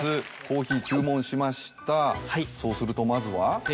コーヒー注文しましたそうするとまずは？